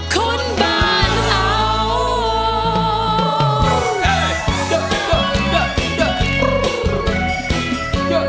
คนบ้านเดียวกันแค่มองตากันก็เข้าใจอยู่